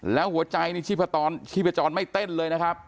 แล้วหัวใจนี่ชีพจรไม่เต้นเลยนะครับ